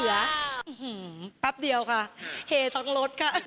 อื้อหือปั๊บเดียวค่ะเฮท้องรถค่ะ